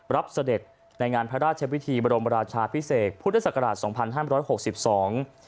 เสด็จในงานพระราชวิธีบรมราชาพิเศษพุทธศักราชสองพันห้ามร้อยหกสิบสอง